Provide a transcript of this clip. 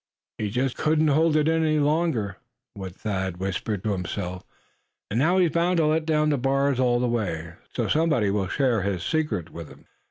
"He just couldn't hold in any longer," was what Thad whispered to himself; "and now he's bound to let down the bars all the way, so somebody will share his secret with him."